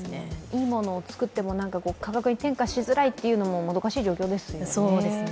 いいものを作っても価格に転嫁しづらいのはつらい状況ですよね。